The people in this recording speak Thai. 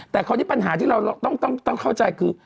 แต่คราวนี้ปัญหาที่เราต้องเข้าใจคือ